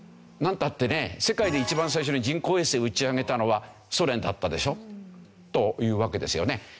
なんたってね世界で一番最初に人工衛星打ち上げたのはソ連だったでしょというわけですよね。